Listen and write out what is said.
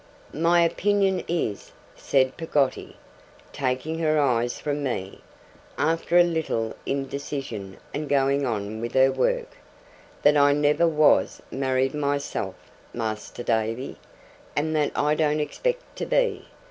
'My opinion is,' said Peggotty, taking her eyes from me, after a little indecision and going on with her work, 'that I never was married myself, Master Davy, and that I don't expect to be.